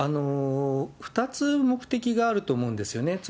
２つ目的があると思うんですよね。